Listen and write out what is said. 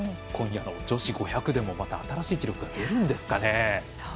今夜の女子５００でも新しい記録が出るんですかね。